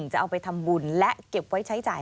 จะเอาไปทำบุญและเก็บไว้ใช้จ่าย